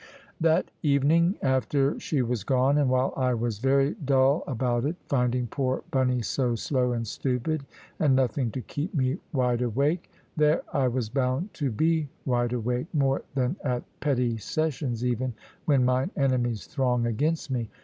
That evening, after she was gone, and while I was very dull about it, finding poor Bunny so slow and stupid, and nothing to keep me wide awake there I was bound to be wide awake, more than at Petty Sessions even, when mine enemies throng against me.